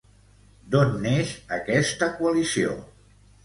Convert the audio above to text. D'on neix aquesta coalició?